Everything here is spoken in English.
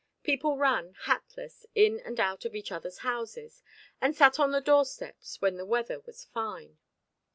People ran, hatless, in and out of each other's houses, and sat on the doorsteps when the weather was fine.